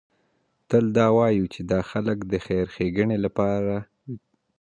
تل دا وایو چې دا د خلکو د خیر ښېګڼې لپاره کوو.